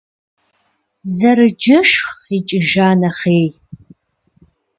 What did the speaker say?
Зэрыджэшх къикӏыжа нэхъей.